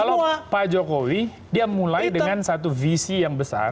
kalau pak jokowi dia mulai dengan satu visi yang besar